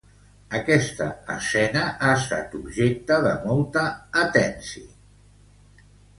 Aquesta escena ha estat objecte de molta atenci